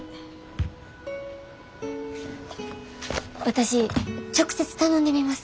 私直接頼んでみます。